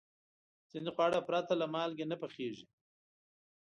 ځینې خواړه پرته له مالګې نه پخېږي.